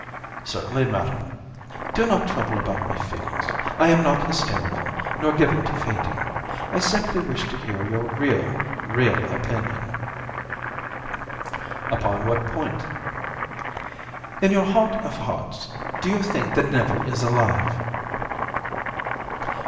"Certainly, madam." "Do not trouble about my feelings. I am not hysterical, nor given to fainting. I simply wish to hear your real, real opinion." "Upon what point?" "In your heart of hearts, do you think that Neville is alive?"